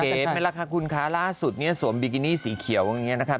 เห็นไหมล่ะคะคุณคะล่าสุดเนี่ยสวมบิกินี่สีเขียวอย่างนี้นะครับ